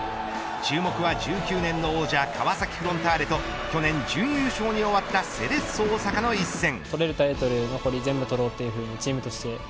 注目は１９年の王者川崎フロンターレと去年、準優勝に終わったセレッソ大阪の一戦。